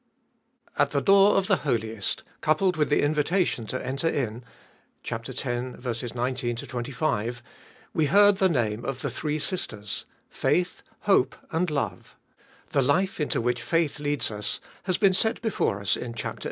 AT the door of the Holiest, coupled with the invitation to enter in (x. 19 25), we heard the name of the three sisters — Faith, Hope, and Love. The life into which faith leads us has been set before us in chap. xi.